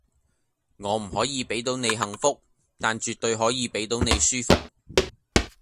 我唔可以俾到你幸福，但絕對可以俾到你舒服